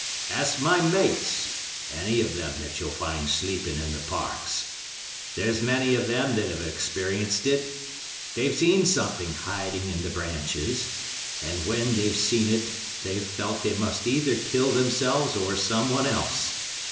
Ask my mates, any of them that you'll find sleeping in the parks. There's many of them that 'ave experienced it. They've seen something hiding in the branches, and when they've seen it, they've felt they must either kill themselves or someone else.